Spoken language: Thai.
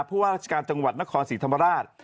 เพราะว่ารักษการจังหวัดนครศิษย์ธรรมราช